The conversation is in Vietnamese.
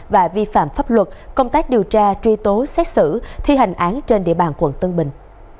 và vi phạm pháp luật công tác điều tra truy tố xét xử thi hành án trên địa bàn quận tân bình